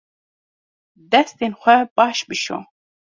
Destên xwe baş bişo.